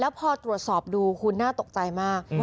พอตรวจสอบดูคุณน่าตกใจมาก